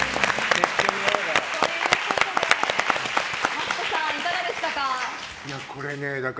マツコさん、いかがでしたか？